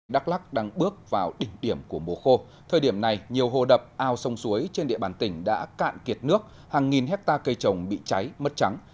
đắk lắc đang bước vào đỉnh điểm của mùa khô thời điểm này nhiều hồ đập ao sông suối trên địa bàn tỉnh đã cạn kiệt nước hàng nghìn hectare cây trồng bị cháy mất trắng